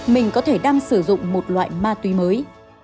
mình có thể đang sử dụng một loại ma túy mới